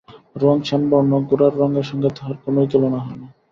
রঙ শ্যামবর্ণ, গোরার রঙের সঙ্গে তাহার কোনোই তুলনা হয় না।